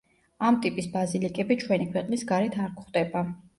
ამ ტიპის ბაზილიკები ჩვენი ქვეყნის გარეთ არ გვხვდება.